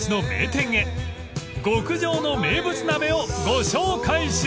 ［極上の名物鍋をご紹介します］